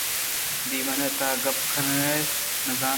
دیوانءِ تہا گپ کنگئے نہ زانت